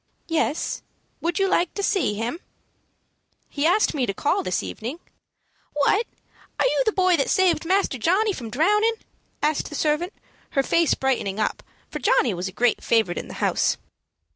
"Yes. Would you like to see him?" "He asked me to call this evening." "What! Are you the boy that saved Master Johnny from drowning?" asked the servant, her face brightening up, for Johnny was a great favorite in the house.